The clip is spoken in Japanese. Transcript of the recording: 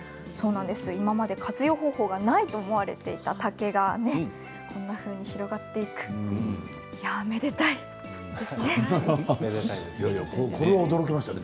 今まで活用方法がないと思われていた竹がこんなふうに広がっていくいやめでたいですね。